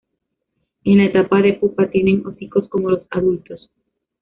En la etapa de pupa tienen hocicos como los adultos.